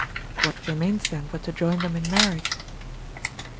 What remains then but to join them in marriage?